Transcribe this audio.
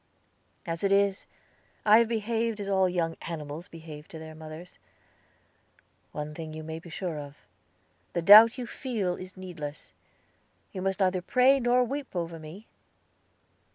As it is, I have behaved as all young animals behave to their mothers. One thing you may be sure of. The doubt you feel is needless. You must neither pray nor weep over me.